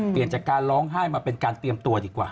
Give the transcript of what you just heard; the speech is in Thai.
เปลี่ยนจากการร้องไห้มาเป็นการเตรียมตัวดีกว่า